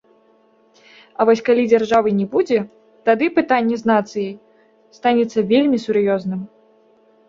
А вось калі дзяржавы не будзе, тады пытанне з нацыяй станецца вельмі сур'ёзным.